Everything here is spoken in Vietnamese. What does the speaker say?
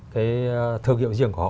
cái thương hiệu riêng của họ